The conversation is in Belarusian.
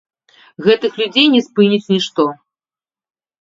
Гэтых людзей не спыніць нішто.